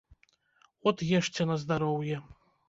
От ешце на здароўе.